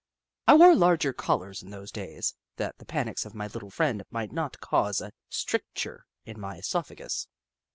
I wore larger collars in those days, that the panics of my little friend might not cause a stricture in my oesophagus.